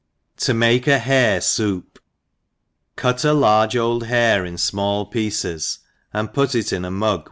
To make a Hare Soup. CUT a large old hare in fmall pieces, and put it in a miig.